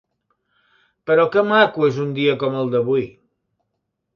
Però que maco és un dia com el d'avui!